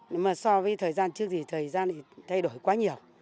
nhưng mà so với thời gian trước thì thời gian thì thay đổi quá nhiều